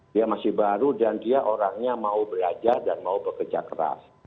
dia masih baru dan dia orangnya mau belajar dan mau bekerja keras